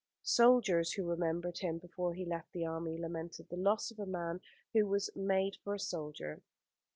Soldiers who remembered him before he left the Army lamented the loss of a man who was made for a soldier.